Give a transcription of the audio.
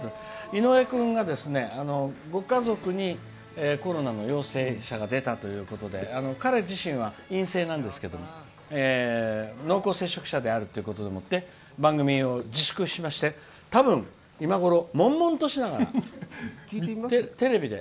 井上君がご家族にコロナの陽性者が出たということで彼自身は陰性なんですけど濃厚接触者であるということで番組を自粛しまして多分、今頃もんもんとしながらテレビで。